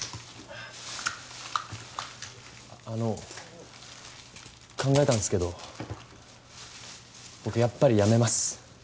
あの考えたんっすけど僕やっぱりやめます。